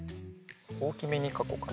おおきめにかこうかな。